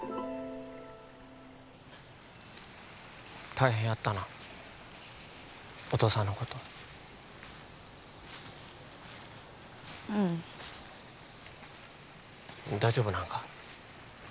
大変やったなお父さんのことうん大丈夫なんか？